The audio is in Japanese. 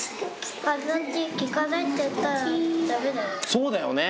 そうだよね。